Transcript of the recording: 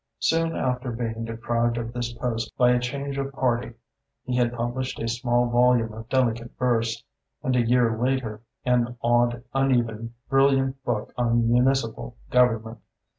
Soon after being deprived of this post by a change of party he had published a small volume of delicate verse, and, a year later, an odd uneven brilliant book on Municipal Government.